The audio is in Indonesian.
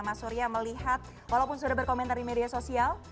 mas surya melihat walaupun sudah berkomentar di media sosial